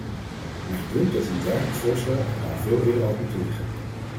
Mij dunkt dat een dergelijk voorstel er al veel eerder had moeten liggen.